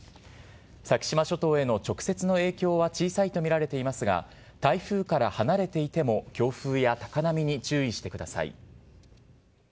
先島諸島への直接の影響は小さいと見られていますが、台風から離れていても、強風や高波に注意してください。